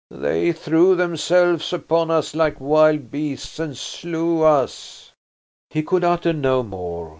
They threw themselves upon us like wild beasts and slew us." He could utter no more.